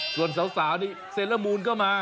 ส่วนสาวนี่เซลมูลก็มา